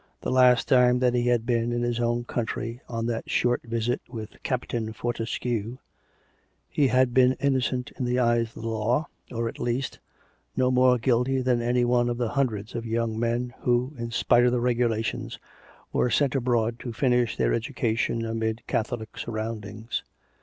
The last time that he had been in his own country on that short visit with " Captain Fortescue," he had been innocent in the eyes of the law, or, at least, no more guilty than any one of the hundreds of young men who, in spite of the reg ulations, were sent abroad to finish their education amid Catholic surroundings.